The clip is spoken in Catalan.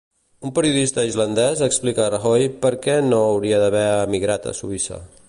Un periodista islandès explica a Rajoy per què no hauria d'haver emigrat a Suïssa.